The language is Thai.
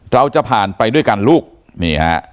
เราจะผ่านไปด้วยกันลูกนี่ฮะ